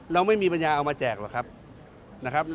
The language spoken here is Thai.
เราไม่มีปัญญาเอามาแจกหรอกครับ